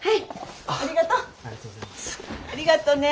ありがとね。